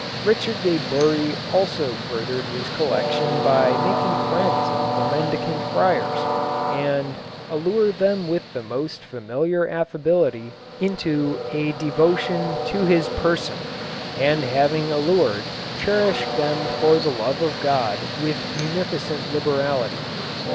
Richard de Bury also furthered his collection by making friends of the mendicant friars, and "allured them with the most familiar affability into a devotion to his person, and having allured, cherished them for the love of God with munificent liberality."